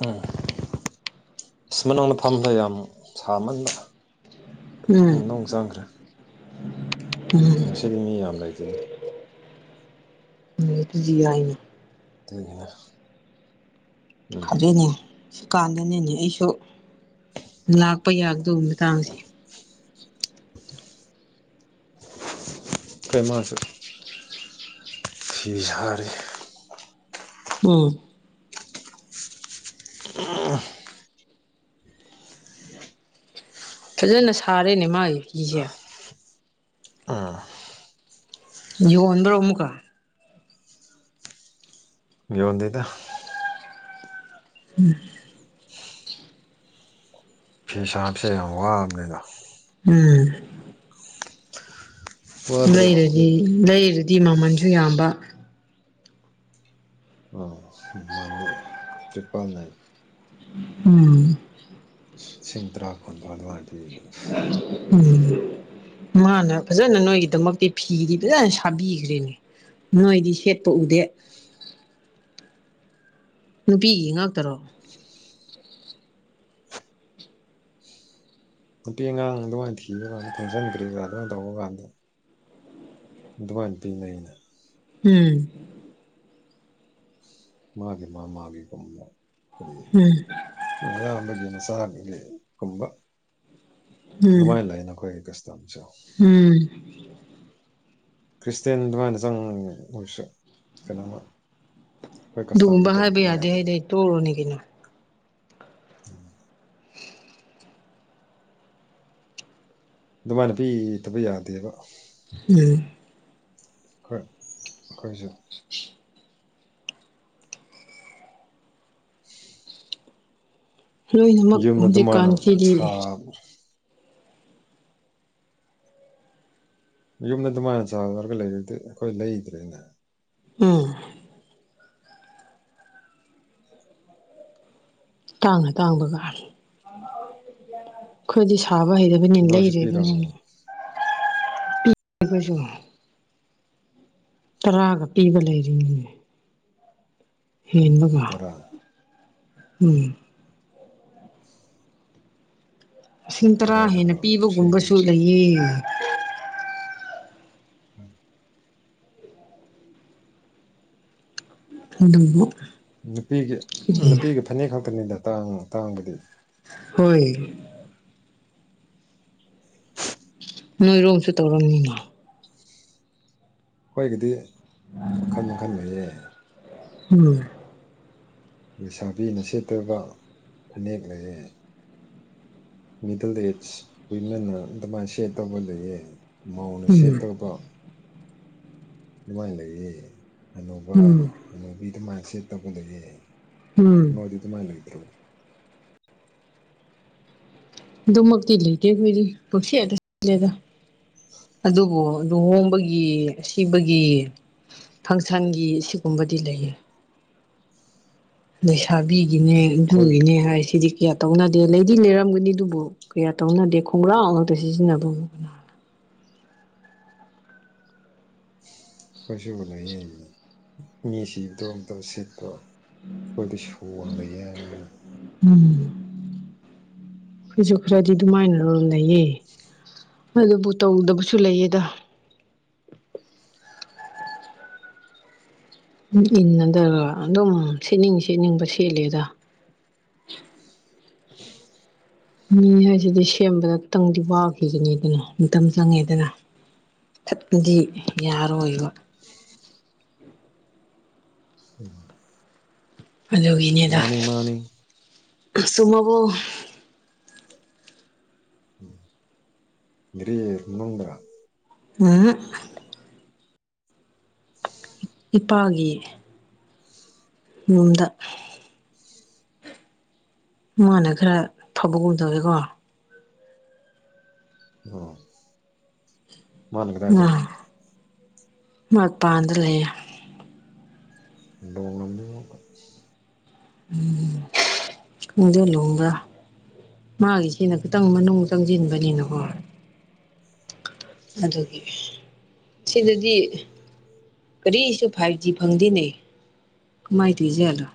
ꯎꯝ ꯑꯁ ꯃꯅꯨꯡꯗ ꯐꯝꯕꯗꯣ ꯌꯥꯝ ꯁꯥꯃꯟꯕ ꯎꯝ ꯃꯅꯨꯡ ꯆꯪꯈ꯭ꯔꯦ ꯎꯝ ꯉꯁꯤꯗꯤ ꯃꯤ ꯌꯥꯝ ꯂꯩꯇꯦꯗ ꯎꯝ ꯑꯗꯨꯗꯤ ꯌꯥꯢꯅꯦ ꯀꯩꯒꯤꯅꯣ ꯈꯪꯖꯩꯅꯦ ꯁꯤꯀꯥꯟꯗꯅꯦꯅꯦ ꯑꯩꯁꯨ ꯂꯥꯛꯄ ꯌꯥꯒꯗꯧꯕ ꯃꯇꯥꯡꯁꯦ [inaudible] ꯍꯣꯏ ꯃꯥꯁꯨ ꯐꯤ ꯁꯥꯔꯤ ꯎꯝ ꯎꯝ ꯐꯖꯅ ꯁꯥꯔꯦꯅꯦ ꯃꯥꯒꯤ ꯐꯤꯁꯦ ꯑꯥ ꯌꯣꯟꯕꯔꯣ ꯑꯃꯨꯛꯀꯥ ꯌꯣꯟꯗꯦꯗ ꯎꯝ ꯐꯤ ꯁꯥꯕꯁꯦ ꯌꯥꯝ ꯋꯥꯕꯅꯦꯗ ꯎꯝ ꯋꯥꯗ꯭ꯔꯣ ꯂꯩꯔꯗꯤ ꯂꯩꯔꯗꯤ ꯃꯃꯟꯁꯨ ꯌꯥꯝꯕ ꯑꯥ ꯃꯥꯅꯤ ꯇꯔꯤꯄꯜ ꯅꯥꯏꯟ ꯎꯝ ꯁꯤꯡ ꯇꯔꯥ ꯀꯨꯟ [unintelligible] ꯎꯝ ꯃꯥꯅ ꯐꯖꯅ ꯅꯣꯏꯒꯤꯗꯃꯛꯇꯤ ꯐꯤꯗꯤ ꯐꯖꯟ ꯁꯥꯕꯤꯈ꯭ꯔꯦꯅꯦ ꯅꯣꯏꯗꯤ ꯁꯦꯠꯄ ꯎꯗꯦ ꯅꯨꯄꯤꯒꯤ ꯉꯥꯛꯇꯥꯔꯣ ꯅꯨꯄꯤ ꯑꯉꯥꯡ ꯑꯗꯨꯃꯥꯏꯅ ꯊꯤꯕ ꯀꯥꯟꯗ ꯐꯪꯁꯟ ꯀꯔꯤ ꯀꯥꯔꯥ ꯑꯗꯨꯃꯥꯏꯟ ꯇꯧꯕ ꯀꯥꯟꯗ ꯑꯗꯨꯃꯥꯏꯅ ꯄꯤꯅꯩꯅ ꯎꯝ ꯃꯥꯒꯤ ꯃꯥ ꯃꯥꯒꯤ ꯀꯨꯝꯕ ꯀꯔꯤ ꯎꯝ ꯃꯌꯥꯝꯕꯒꯤ ꯃꯆꯥꯒꯤ ꯒꯨꯝꯕ ꯎꯝ ꯗꯨꯃꯥꯏꯅ ꯂꯩꯅ ꯑꯈꯣꯏꯒꯤ ꯀꯁ ꯇꯝꯆꯧ ꯎꯝ ꯈ꯭ꯔꯤꯁꯇꯦꯟꯗꯨꯃꯥꯏꯅ ꯆꯪ ꯑꯣꯏꯁꯨ ꯀꯩꯅꯣꯝꯃ ꯈꯣꯏ ꯀꯁꯇꯝꯗꯤ ꯑꯗꯨꯒꯨꯝꯕ ꯍꯥꯏꯕ ꯇꯧꯗꯕ ꯌꯥꯗꯦ ꯍꯥꯏꯗꯤ ꯇꯣꯛꯔꯣꯅꯦ ꯀꯩꯅꯣ ꯎꯝ ꯑꯗꯨꯃꯥꯏꯅ ꯄꯤꯇꯕ ꯌꯥꯗꯦꯕ ꯎꯝ ꯈꯔ ꯑꯈꯣꯏꯁꯨ [inaudible] [inaudible] ꯂꯣꯏꯅꯃꯛ ꯌꯨꯝꯗ ꯑꯗꯨꯃꯥꯏꯅ ꯍꯨꯖꯤꯛꯀꯥꯟꯁꯤꯗꯤ [unintelligible] ꯃꯌꯨꯝꯗ ꯑꯗꯨꯃꯥꯏꯅ ꯆꯥꯎꯔꯒ ꯂꯩꯔꯗꯤ ꯑꯈꯣꯏ ꯂꯩꯗ꯭ꯔꯦꯅꯥ ꯎꯝ ꯇꯥꯡꯅ‌ ꯇꯥꯡꯕꯒ ꯈꯣꯏꯗꯤ ꯁꯥꯕ ꯍꯩꯗ ꯕꯅꯦ ꯅꯣꯏꯁꯨ ꯄꯤꯔꯝꯅꯤ ꯂꯩꯔꯤꯕꯅꯤꯅꯦ ꯄꯤ [inaudible] ꯑꯈꯣꯏꯁꯨ ꯇꯔꯥꯒ ꯄꯤꯕ ꯂꯩꯔꯤꯝꯅꯤꯅꯦ ꯍꯦꯟꯕꯒꯨꯝ ꯇꯔꯥ ꯎꯝ ꯂꯤꯁꯤꯡ ꯇꯔꯥ ꯇꯔꯥꯗ ꯍꯦꯟꯅ ꯀꯅꯥ ꯄꯤꯕꯒꯨꯝꯕꯁꯨ ꯁꯦꯝꯕꯅꯣ ꯂꯩꯌꯦ ꯎꯝ ꯑꯗꯨꯕꯨ ꯅꯨꯄꯤꯒꯤ ꯅꯨꯄꯤꯒꯤ ꯐꯅꯦꯛ ꯈꯛꯇꯥꯅꯤꯗ ꯇꯥꯡ ꯇꯥꯡꯕꯗꯤ ꯍꯣꯏ [inaudible] ꯅꯣꯏꯔꯣꯝꯁꯨ ꯇꯧꯔꯝꯅꯤꯅꯦ ꯈꯣꯏꯒꯤꯗꯤ ꯃꯈꯜ ꯃꯈꯜ ꯂꯩꯌꯦ ꯎꯝ ꯂꯩꯁꯥꯕꯤꯅ ꯁꯦꯠꯇꯣꯏꯕ ꯐꯅꯦꯛ ꯂꯩꯌꯦ ꯃꯤꯗꯜ ꯑꯦꯖ ꯋꯤꯃꯦꯟꯅ ꯑꯗꯨꯃꯥꯏꯅ ꯁꯦꯠꯇꯧꯕ ꯂꯩꯌꯦ ꯃꯧꯅ ꯎꯝ ꯁꯦꯠꯇꯧꯕ ꯑꯗꯨꯃꯥꯏ ꯂꯩꯌꯦ ꯑꯅꯧꯕ ꯎꯝ ꯍꯅꯨꯕꯤ ꯗꯨꯃꯥꯏꯅ ꯁꯦꯠꯇꯧꯕ ꯂꯩꯌꯦ ꯎꯝ ꯅꯣꯏꯗꯤ ꯗꯨꯃꯥꯏ ꯂꯩꯇ꯭ꯔꯣ ꯑꯗꯨꯃꯛꯇꯤ ꯂꯩꯇꯦ ꯑꯩꯈꯣꯏꯗꯤ ꯄꯨꯛꯁꯦꯠꯇ ꯁꯦꯠꯂꯦꯗ ꯑꯗꯨꯕꯨ ꯂꯨꯍꯣꯡꯕꯒꯤ ꯑꯁꯤꯕꯒꯤ ꯐꯪꯁꯟꯒꯤ ꯁꯤꯒꯨꯝꯕꯗꯤ ꯂꯩꯌꯦ ꯂꯩꯁꯥꯕꯤꯒꯤꯅꯦ ꯑꯩꯈꯣꯏ ꯑꯗꯨꯒꯤꯅꯦ ꯍꯥꯏꯁꯤꯗꯤ ꯀ꯭ꯌꯥ ꯇꯧꯅꯗꯦ ꯂꯩꯗꯤ ꯂꯩꯔꯝꯒꯅꯤ ꯗꯨꯕꯨ ꯀꯌꯥ ꯇꯧꯅꯗꯦ ꯈꯣꯡꯒ꯭ꯔꯥꯎ ꯉꯥꯛꯇ ꯁꯤꯖꯤꯟꯅꯕ [unintelligible] ꯀꯣꯏꯁꯨꯕꯨ ꯂꯩꯌꯦ ꯃꯤ ꯁꯤꯕꯗꯣ ꯑꯝꯇ ꯁꯦꯠꯄ ꯈꯣꯏꯗꯤ ꯁꯣꯜ ꯂꯩꯌꯦ ꯍꯥꯢꯕꯅꯤꯗ ꯎꯝ ꯈꯣꯢꯖꯨ ꯈ꯭ꯔꯗꯤ ꯑꯗꯨꯃꯥꯏꯅ ꯂꯂꯩꯌꯦ ꯍꯣꯏ ꯑꯗꯨꯕꯨ ꯇꯧꯗꯕꯁꯨ ꯂꯩꯌꯦꯗ ꯅꯪ ꯏꯟꯅꯗꯔꯥ ꯑꯗꯨꯝ ꯁꯦꯠꯅꯤꯡ ꯁꯦꯠꯅꯤꯡꯕ ꯁꯦꯠꯂꯦꯗ [inaudible] ꯃꯤ ꯍꯥꯏꯁꯤꯗꯤ ꯁꯦꯝꯕꯗ [unintelligible] ꯃꯇꯝ ꯆꯪꯉꯦꯗꯅ ꯊꯠꯄꯒꯤ ꯌꯥꯔꯣꯏꯕ ꯍꯨ ꯑꯗꯨꯒꯤꯅꯦꯗ ꯃꯥꯅꯤ ꯆꯨꯝꯃꯕꯣ ꯎꯝ ꯒꯥꯔꯤ ꯃꯅꯨꯡꯗꯔꯥ ꯎꯝꯍꯛ ꯄꯥꯒꯤ ꯅꯨꯡꯗ ꯃꯥꯅ ꯈꯔ ꯐꯕꯒꯨꯝ ꯇꯧꯋꯤꯀꯣ ꯑꯣ ꯃꯥꯅ ꯀꯗꯥꯢ ꯆꯠꯄ ꯑꯥ ꯃꯄꯥꯟꯗ ꯂꯩꯌꯦ [unintelligible] ꯃꯨꯛꯀꯥ ꯎꯝ [unintelligible] ꯃꯥꯒꯤꯁꯤꯅ ꯈꯤꯇꯪ ꯃꯅꯨꯡ ꯆꯪꯖꯤꯟꯕꯅꯤꯅꯀꯣ ꯑꯗꯨꯒꯤ ꯁꯤꯗꯗꯤ ꯀꯔꯤꯁꯨ ꯐꯥꯏꯚ ꯖꯤ ꯐꯪꯗꯦꯅꯦ ꯀꯃꯥꯏꯅ ꯇꯣꯏꯖꯥꯠꯅꯣ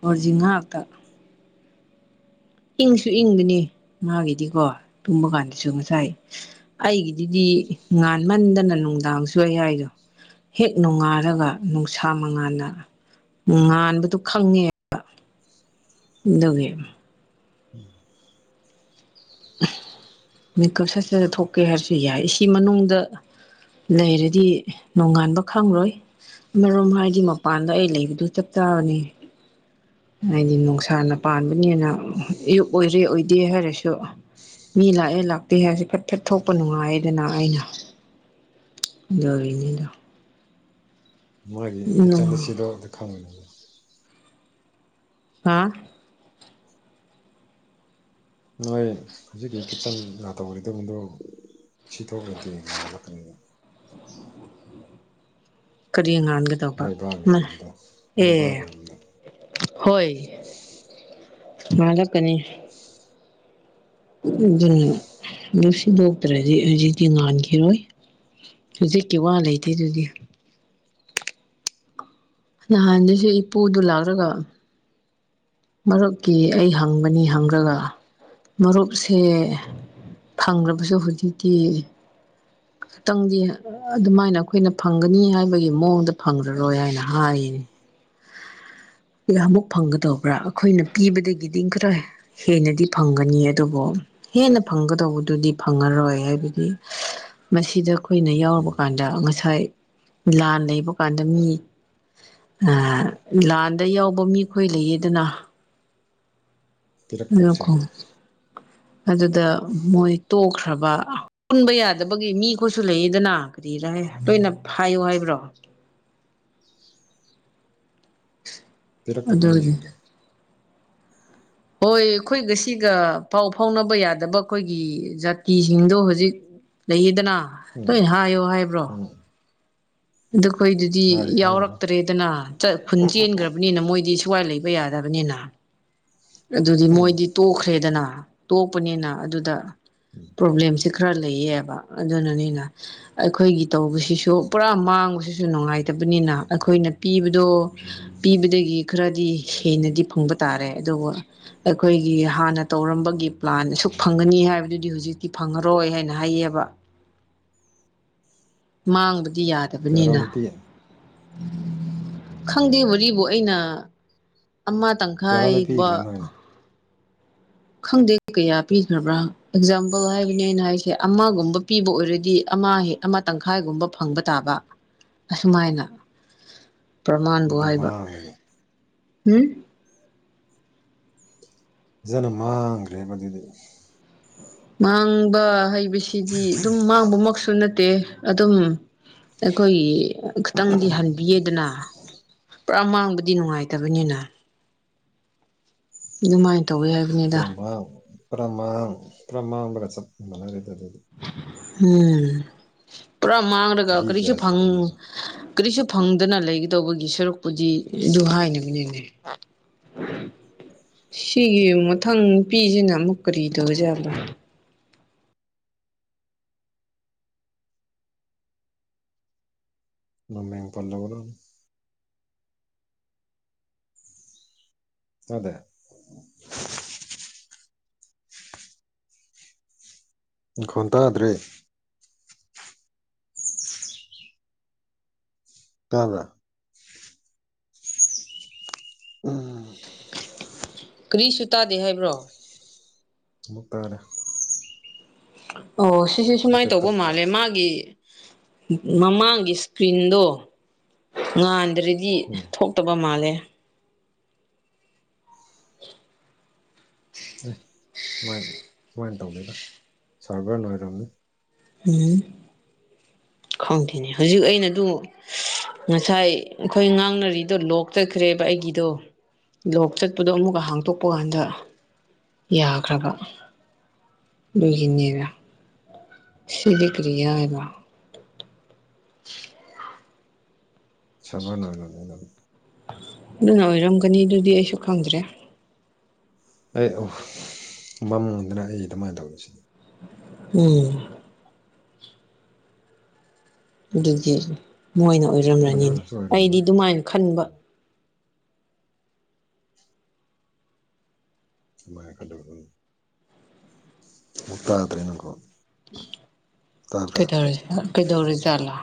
ꯐꯣꯔꯖꯤ ꯉꯥꯛꯇ ꯏꯪꯁꯨ ꯏꯪꯒꯅꯤ ꯃꯥꯒꯤꯗꯤꯀꯣ ꯇꯨꯝꯕꯀꯥꯟꯗꯁꯨ ꯉꯁꯥꯏ ꯑꯩꯒꯤꯗꯨꯗꯤ ꯉꯥꯟꯃꯟꯗꯅ ꯅꯨꯡꯗꯥꯡ ꯁꯨ ꯑꯩ ꯍꯥꯏꯗꯣ ꯍꯦꯛ ꯅꯣꯡꯉꯥꯜꯔꯒ ꯅꯨꯡꯁꯥ ꯃꯉꯥꯟꯅ ꯉꯥꯟꯕꯗꯣ ꯈꯪꯉꯦꯕ ꯑꯗꯨꯒꯤ ꯎꯝ ꯃꯤꯀꯞ ꯁꯠ ꯁꯥꯁꯥ ꯊꯣꯛꯀꯦ ꯍꯥꯏꯔꯁꯨ ꯌꯥꯏ ꯑꯦꯁꯤ ꯃꯅꯨꯡꯗ ꯂꯩꯔꯗꯤ ꯅꯣꯡꯉꯥꯟꯕ ꯈꯪꯔꯣꯏ ꯃꯔꯣꯝ ꯍꯥꯏꯗꯤ ꯃꯄꯥꯟꯗ ꯑꯩ ꯂꯩꯕꯗꯨ ꯆꯞ ꯆꯥꯕꯅꯤ ꯍꯥꯏꯗꯤ ꯅꯨꯡꯁꯥꯅ ꯄꯥꯟꯕꯅꯤꯅ ꯑꯌꯨꯛ ꯑꯣꯏꯔꯦ ꯑꯣꯏꯗꯦ ꯍꯥꯏꯔꯁꯨ ꯃꯤ ꯂꯥꯛꯑꯦ ꯂꯥꯛꯇꯦ ꯍꯥꯏꯁꯨ ꯐꯠ ꯐꯠ ꯊꯣꯛꯄ ꯅꯨꯡꯉꯥꯏꯌꯦꯗꯅ ꯑꯩꯅ ꯗꯣꯔꯤꯅꯤꯗ ꯃꯣꯢꯒꯤ ꯀꯤꯠꯆꯟꯗ ꯁꯤꯗꯣ [unintelligible] ꯍꯥ ꯅꯣꯏ ꯍꯧꯖꯤꯛꯀꯤ ꯀꯤꯠꯆꯟꯂꯥ ꯇꯧꯔꯤꯗꯣꯝꯒꯤꯗꯣ ꯁꯤꯇꯣꯛꯔꯗꯤ ꯉꯥꯜꯂꯛꯀꯅꯤꯕ ꯀꯔꯤ ꯉꯥꯟꯒꯗꯧꯕ ꯅꯣꯏ ꯃꯥ ꯕꯥꯒꯤꯔꯣꯝꯗ ꯅꯣꯏ ꯑꯦ ꯕꯥꯒꯤꯔꯣꯝꯗ ꯍꯣꯏ ꯉꯥꯜꯂꯛꯀꯅꯤ ꯁꯤ [unintelligible] ꯇ꯭ꯔꯗꯤ ꯍꯧꯖꯤꯛꯇꯤ ꯉꯥꯟꯈꯤꯔꯣꯏ ꯍꯧꯖꯤꯛꯀꯤ ꯋꯥ ꯂꯩꯇꯦ ꯑꯗꯨꯗꯤ ꯅꯍꯥꯟꯗꯩꯁꯨ ꯏꯄꯨꯗꯨ ꯂꯥꯛꯔꯒ ꯃꯔꯨꯞꯀꯤ ꯑꯩ ꯍꯪꯕꯅꯤ ꯍꯪꯔꯒ ꯃꯔꯨꯞꯁꯦ ꯐꯪꯔꯕꯁꯨ ꯍꯨꯖꯤꯛꯇꯤ ꯈꯇꯪꯗꯤ ꯑꯗꯨꯃꯥꯏꯅ ꯑꯈꯣꯏꯅ ꯐꯪꯒꯅꯤ ꯍꯥꯏꯕꯒꯤ ꯃꯑꯣꯡꯗ ꯐꯪꯔꯔꯣꯏ ꯍꯥꯏꯅ ꯍꯥꯏꯌꯦ ꯌꯃꯨꯛ ꯐꯪꯒꯗꯧꯕ꯭ꯔꯥ ꯑꯈꯣꯏꯅ ꯄꯤꯕꯗꯒꯤꯗꯤ [unintelligible] ꯍꯦꯟꯅꯗꯤ ꯐꯪꯒꯅꯤ ꯑꯗꯨꯕꯨ ꯍꯦꯟꯅ ꯐꯪꯒꯗꯧꯕꯗꯨꯗꯤ ꯐꯪꯉꯔꯣꯏ ꯍꯥꯏꯕꯗꯤ ꯃꯁꯤꯗ ꯑꯈꯣꯏꯅ ꯌꯥꯎꯕ ꯌꯨꯝꯒꯤ ꯀꯥꯟꯗ ꯉꯁꯥꯏ ꯂꯥꯟ ꯂꯩꯕ ꯀꯟꯗ ꯃꯤ ꯑꯥ ꯂꯥꯟꯗ ꯌꯥꯎꯕ ꯃꯤꯈꯣꯏ ꯂꯩꯌꯦꯗꯅ ꯄꯤꯔꯛꯇꯕꯁꯤꯡꯗꯣ ꯑꯗꯨꯗ ꯃꯣꯏ ꯇꯣꯛꯈ꯭ꯔꯕ ꯄꯨꯟꯕ ꯌꯥꯗꯕꯒꯤ ꯃꯤ ꯈꯣꯏꯁꯨ ꯂꯩꯌꯦꯗꯅ ꯀꯔꯤꯔꯍꯦ ꯂꯣꯏꯅ ꯐꯏꯌꯣ ꯍꯥꯏꯕ꯭ꯔꯣ [inaudible] ꯄꯤꯔꯛꯇꯕ ꯑꯗꯨꯒꯤꯅꯤ ꯃꯤꯁꯤꯡꯗꯣ ꯍꯣꯏ ꯈꯣꯏꯒ ꯁꯤꯒ ꯄꯥꯎ ꯐꯥꯎꯅꯕ ꯌꯥꯗꯕ ꯈꯣꯏꯒꯤ ꯖꯥꯇꯤꯁꯤꯡꯗꯣ ꯍꯧꯖꯤꯛ ꯂꯩꯌꯦꯗꯅ ꯎꯝ ꯂꯣꯏꯅ ꯍꯥꯏꯌꯣ ꯍꯥꯏꯕ꯭ꯔꯣ ꯎꯝ ꯑꯗꯣ ꯈꯣꯏꯗꯨꯗꯤ ꯍꯥꯏ ꯍꯥꯏꯒꯅꯨ ꯌꯥꯎꯔꯛꯇ꯭ꯔꯦꯗꯅ ꯆꯠ ꯈꯨꯟ ꯆꯦꯟꯒ꯭ꯔꯕꯅꯤꯅ ꯃꯣꯏꯗꯤ ꯁꯨꯋꯥꯏ ꯂꯩ [unintelligible] ꯌꯥꯗꯕꯅꯤꯅ ꯑꯗꯨꯗꯤ ꯎꯝ ꯃꯣꯏꯗꯤ ꯇꯣꯛꯈ꯭ꯔꯦꯗꯅ ꯇꯣꯛꯄꯅꯤꯅ ꯑꯗꯨꯗ ꯎꯝ ꯄ꯭ꯔꯣꯕ꯭ꯂꯦꯝꯁꯦ ꯈ꯭ꯔ ꯂꯩꯌꯦꯕ ꯑꯗꯨꯅꯅꯤꯅ ꯑꯈꯣꯏꯒꯤ ꯇꯧꯕꯁꯤꯁꯨ ꯄꯨꯔꯥ ꯃꯥꯡꯕꯁꯤꯁꯨ ꯅꯨꯡꯉꯥꯏ ꯇꯕꯅꯤꯅ ꯑꯈꯣꯏꯅ ꯄꯤꯕꯗꯣ ꯄꯤꯕꯗꯒꯤ ꯈ꯭ꯔꯗꯤ ꯍꯦꯟꯅꯗꯤ ꯐꯪꯕ ꯇꯥꯔꯦ ꯑꯗꯨꯕꯨ ꯑꯈꯣꯏꯒꯤ ꯍꯥꯟꯅ ꯇꯧꯔꯝꯕꯒꯤ ꯄ꯭ꯂꯥꯟ ꯁꯨꯛ ꯐꯪꯒꯅꯤ ꯍꯥꯏꯕꯗꯨꯗꯤ ꯍꯧꯖꯤꯛꯇꯤ ꯐꯪꯉꯔꯣꯏ ꯍꯥꯏꯅ ꯍꯥꯏꯌꯦꯕ ꯃꯥꯡꯕꯗꯤ ꯌꯥꯗꯕꯅꯤꯅ ꯀꯌꯥꯔꯣꯝꯗ ꯄꯤ ꯈꯪꯗꯦ ꯋꯥꯔꯤꯕꯨ ꯑꯩꯅ ꯑꯃ ꯀꯌꯥꯔꯣꯝꯗ ꯇꯪꯈꯥꯏꯕ ꯄꯤꯈ꯭ꯔꯦ ꯅꯣꯏꯅ ꯈꯪꯗꯦ ꯀꯌꯥ ꯄꯤꯈ꯭ꯔꯕ꯭ꯔꯥ ꯑꯦꯛꯖꯥꯝꯄꯜ ꯍꯥꯏꯕꯅꯦ ꯑꯩꯅ ꯍꯥꯏꯁꯦ ꯑꯃꯒꯨꯝꯕ ꯄꯤꯕ ꯑꯣꯏꯔꯗꯤ ꯑꯃ ꯍꯦ ꯑꯃ ꯇꯪꯈꯥꯏꯒꯨꯝꯕ ꯐꯪꯕ ꯇꯥꯕ ꯑꯁꯨꯃꯥꯏꯅ ꯄ꯭ꯔꯃꯥꯟꯕꯨ ꯑꯗꯨꯗꯤ ꯍꯥꯏꯕ ꯃꯥꯡꯈ꯭ꯔꯦꯅꯦ ꯎꯝ ꯐꯖꯟꯅ ꯃꯥꯡꯒ꯭ꯔꯦꯕ ꯃꯗꯨꯗꯤ ꯃꯥꯡꯕ ꯍꯩꯕꯁꯤꯗꯤ ꯑꯗꯨꯝ ꯃꯥꯡꯕꯃꯛꯁꯨ ꯅꯠꯇꯦ ꯑꯗꯨꯝ ꯑꯈꯣꯏꯒꯤ ꯈꯇꯪꯗꯤ ꯍꯟꯕꯤꯌꯦꯗꯅ ꯄꯨꯔꯥ ꯃꯥꯡꯕꯗꯤ ꯅꯨꯡꯉꯥꯏꯇꯕꯅꯤꯅ ꯑꯗꯨꯃꯥꯏꯅ ꯇꯧꯋꯦ [unintelligible] ꯄ꯭ꯔꯃꯥ ꯄ꯭ꯔꯃꯥꯡ ꯄ꯭ꯔꯃꯥꯡꯕꯒ ꯆꯞ ꯃꯅꯒ꯭ꯔꯦꯗ ꯑꯗꯨꯗꯤ ꯎꯝ ꯄꯨꯔꯥ ꯃꯥꯡꯔꯒ ꯆꯍꯤ ꯀꯔꯤꯁꯨ ꯀꯌꯥ ꯐꯪ ꯁꯨꯔꯦ ꯌꯦꯡꯉꯣ ꯀꯔꯤꯁꯨ ꯐꯪꯗꯅ ꯂꯩꯒꯗꯧꯕꯒꯤ ꯁꯔꯨꯛꯄꯨꯗꯤ ꯑꯗꯨ ꯍꯥꯏꯅꯕꯅꯦꯅꯦ ꯁꯤꯒꯤ ꯃꯊꯪ ꯅꯨꯄꯤꯖꯤꯅ ꯑꯃꯨꯛ ꯀꯔꯤꯇꯧꯔꯤꯖꯠꯅꯣ ꯃꯃꯦꯡ ꯄꯜꯂꯕꯔꯥ [unintelligible] ꯅꯥꯈꯣꯟ ꯇꯥꯗ꯭ꯔꯦ ꯇꯕ꯭ꯔꯥ ꯎꯝ ꯀꯔꯤꯁꯨ ꯇꯥꯗꯦ ꯍꯥꯏꯕ꯭ꯔꯣ ꯑꯥꯃꯨꯛ ꯇꯥꯔꯦ ꯑꯣ ꯁꯤꯁꯨ ꯁꯨꯃꯏꯟ ꯍꯧꯖꯤꯛꯇ ꯇꯧꯕ ꯇꯠꯄ ꯃꯥꯜꯂꯦ ꯃꯥꯒꯤ ꯒꯤ ꯃꯃꯥꯡꯒꯤ ꯏꯁꯀ꯭ꯔꯤꯟꯗꯣ ꯉꯥꯟꯗ꯭ꯔꯗꯤ ꯎꯝ ꯊꯣꯛꯇꯕ ꯃꯥꯜꯂꯦ [inaudible] ꯑꯦ ꯁꯨꯃꯥꯏꯅ ꯁꯨꯃꯥꯏꯅ ꯇꯧꯗꯦꯗ ꯁꯥꯚ꯭ꯔꯅ ꯑꯣꯏꯔꯝꯅꯤ ꯎꯝ ꯈꯪꯗꯦꯅꯦ ꯍꯧꯖꯤꯛ ꯑꯩꯅ ꯗꯨ ꯉꯁꯥꯏ ꯑꯈꯣꯏ ꯉꯥꯡꯅꯔꯤꯗꯣ ꯂꯣꯛ ꯆꯠꯈ꯭ꯔꯦꯕ ꯑꯩꯒꯤꯗꯣ ꯂꯣꯛ ꯆꯠꯄꯗꯣ ꯑꯃꯨꯛꯀ ꯍꯥꯡꯇꯣꯛꯄ ꯀꯥꯟꯗ ꯌꯥꯈ꯭ꯔꯕ ꯗꯨꯒꯤꯅꯦꯕꯥ ꯁꯤꯗꯤ ꯀ꯭ꯔꯤꯒꯤꯔꯥ ꯍꯥꯏꯕ ꯁꯥꯃꯔ ꯂꯣꯏꯒꯔꯝꯅꯤꯅ ꯑꯗꯨꯅ ꯑꯣꯏꯔꯝꯒꯅꯤ ꯑꯗꯨꯗꯤ ꯑꯩꯁꯨ ꯈꯪꯗ꯭ꯔꯦ ꯑꯩ ꯑꯈꯣꯏ ꯃꯥꯝꯒꯗ꯭ꯔꯥ ꯑꯩ ꯗꯨꯃꯥꯏꯅ ꯇꯧꯕꯥꯁꯤꯗꯤ ꯎꯝ ꯑꯗꯨꯗꯤ ꯃꯣꯏꯅ ꯑꯣꯏꯔꯝꯂꯅꯤꯅꯦ ꯃꯗꯨꯅꯁꯨ ꯑꯩꯗꯤ ꯑꯣꯏꯔꯝꯂꯣꯏ ꯗꯨꯃꯥꯏꯅ ꯈꯟꯕ ꯁꯤꯃꯥꯏ ꯈꯜꯂꯨꯔꯒ ꯑꯃꯨꯛ ꯇꯥꯗ꯭ꯔꯦꯅꯀꯣ ꯀꯩꯗꯧꯔꯤ ꯀꯩꯗꯧꯔꯖꯥꯠꯂ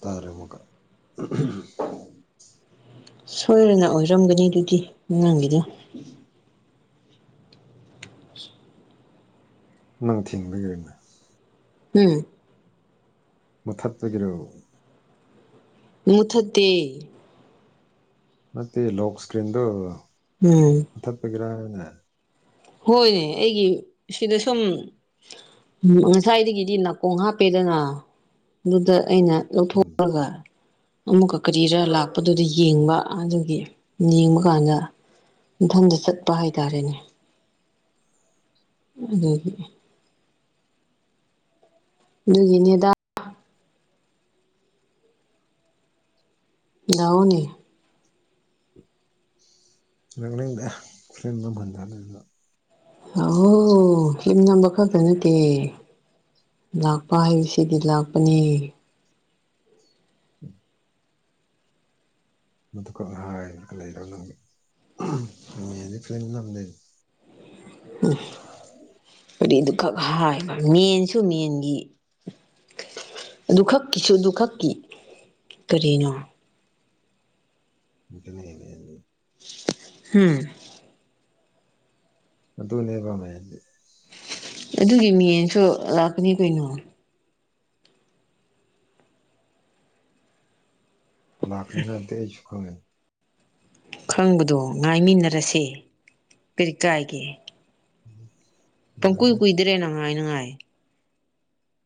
ꯇꯥꯔꯦ ꯑꯃꯨꯛꯀ ꯁꯣꯏꯔꯅ ꯑꯣꯏꯔꯝꯒꯅꯤ ꯑꯗꯨꯗꯤ ꯅꯪꯒꯤꯗꯣ [inaudible] ꯅꯪ ꯊꯤꯟꯕ ꯌꯥꯏꯅ ꯎꯝ ꯃꯨꯊꯠꯄꯥꯒꯤꯔꯣ ꯃꯨꯊꯠꯇꯦ ꯅꯠꯇꯦ ꯂꯣꯛ ꯁꯀ꯭ꯔꯤꯟꯗꯨ ꯎꯝ ꯃꯨꯊꯠꯞꯒꯤꯔꯥ ꯍꯥꯏꯕꯅꯦ ꯍꯣꯏꯅꯦ ꯑꯩꯒꯤ ꯁꯤꯗ ꯁꯨꯝ ꯎꯝ ꯉꯁꯥꯏꯗꯒꯤꯗꯤ ꯅꯥꯀꯣꯡ ꯍꯥꯞꯄꯦꯗꯅ ꯑꯗꯨꯗ ꯑꯩꯅ ꯎꯝ ꯂꯧꯊꯣꯛꯑꯒ ꯑꯃꯨꯛꯀ ꯀꯔꯤꯔꯥ ꯂꯥꯛꯄꯗꯨꯗ ꯌꯦꯡꯕ ꯑꯗꯨꯒꯤ ꯌꯦꯡꯕ ꯀꯥꯟꯗ ꯃꯊꯟꯗ ꯆꯠꯄ ꯍꯥꯏꯇꯥꯔꯦꯅꯦ ꯑꯗꯨꯒꯤ ꯑꯗꯨꯒꯤꯅꯦꯗ ꯂꯥꯛꯑꯣꯅꯦ ꯉꯥꯡꯅꯤꯡꯗꯦ ꯂꯥꯛꯑꯣ ꯐꯤꯂꯝ ꯅꯝꯕ ꯈꯛ ꯅꯠꯇꯦ ꯂꯥꯛꯄ ꯍꯥꯏꯕꯁꯤꯗꯤ ꯂꯥꯛꯄꯅꯦ [inaudible] ꯃꯗꯨꯈꯛ ꯍꯥꯏꯔꯒ ꯂꯩꯔꯣ ꯅꯪ ꯃꯦ [unintelligible] ꯎꯝ ꯀꯔꯤꯗꯨꯈꯛ ꯍꯥꯏꯕ ꯃꯦꯟꯁꯨ ꯃꯦꯟꯒꯤ ꯑꯗꯨ ꯈꯛꯀꯤꯁꯨ ꯑꯗꯨ ꯈꯛꯀꯤ ꯀꯔꯤꯅꯣ [unintelligible] ꯍꯝ ꯑꯗꯨꯅꯦꯕ ꯃꯦꯟꯗꯤ ꯑꯗꯨꯒꯤ ꯃꯦꯟꯁꯨ ꯂꯥꯛꯀꯅꯤ ꯀꯩꯅꯣ ꯂꯥꯛꯀꯅꯤ ꯍꯥꯏꯕꯗꯤ ꯑꯩꯁꯨ ꯈꯪꯉꯦ ꯈꯪꯕꯗꯣ ꯉꯥꯏꯃꯤꯟꯅꯔꯁꯦ ꯀꯔꯤ ꯀꯥꯏꯒꯦ [inaudible] ꯄꯪꯀꯨꯏ ꯀꯨꯏꯗ꯭ꯔꯦꯅ ꯉꯥꯏꯅꯉꯥꯏ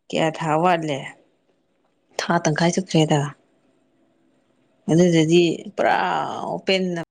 ꯀꯌꯥ ꯊꯥ ꯋꯥꯠꯂꯦ ꯊꯥ ꯇꯪꯈꯥꯏ ꯆꯠꯇ꯭ꯔꯦꯗ ꯑꯗꯨꯗꯗꯤ ꯄꯨꯔꯥ ꯑꯣꯄꯦꯟꯅ